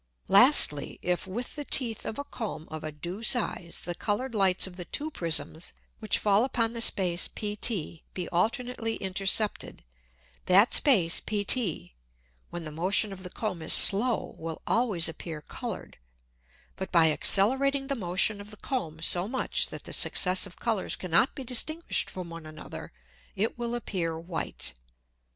Lastly, If with the Teeth of a Comb of a due Size, the coloured Lights of the two Prisms which fall upon the Space PT be alternately intercepted, that Space PT, when the Motion of the Comb is slow, will always appear coloured, but by accelerating the Motion of the Comb so much that the successive Colours cannot be distinguished from one another, it will appear white.